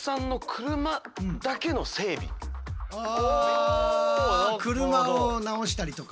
あ車を直したりとか。